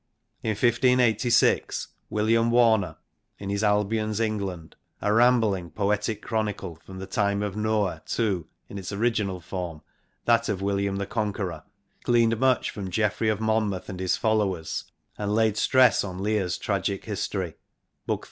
In 1586 William Warner in his Albion s England^ a rambling poetic chronicle, from the time of Noah to (in its original form) that of William the Conqueror, gleaned much from Geoffrey of Monmouth and his followers, and laid stress on Lear's tragic history (Book III.